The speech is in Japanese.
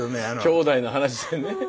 兄弟の話でね。